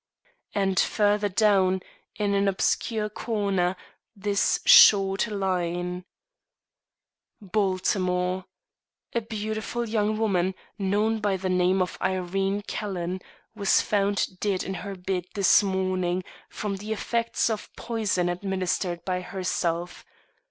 And further down, in an obscure corner, this short line: "Baltimore, Md. A beautiful young woman, known by the name of Irene Calhoun, was found dead in her bed this morning, from the effects of poison administered by herself.